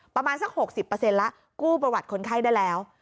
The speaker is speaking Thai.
ประมาณสัก๖๐แล้วกู้ประวัติคนไข้ได้แล้ว